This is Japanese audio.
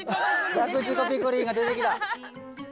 ラクチュコピクリンが出てきた。